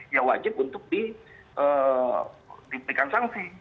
ya wajib untuk diberikan sanksi